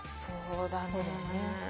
そうだね。